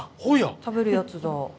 食べるやつだ。